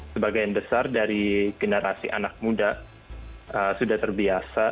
sebagian besar dari generasi anak muda sudah terbiasa